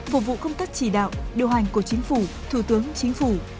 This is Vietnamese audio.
phục vụ công tác chỉ đạo điều hành của chính phủ thủ tướng chính phủ